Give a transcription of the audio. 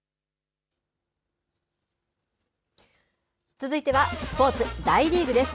続いてはスポーツ大リーグです。